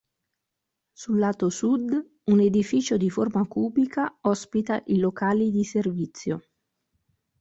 Sul lato sud, un edificio di forma cubica, ospita i locali di servizio.